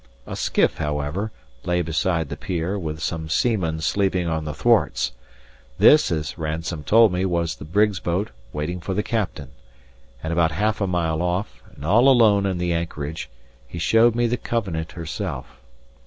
A skiff, however, lay beside the pier, with some seamen sleeping on the thwarts; this, as Ransome told me, was the brig's boat waiting for the captain; and about half a mile off, and all alone in the anchorage, he showed me the Covenant herself.